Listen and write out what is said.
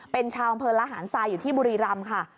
เป็นชาวบริหารสายอยู่ที่บุรีรำค่ะ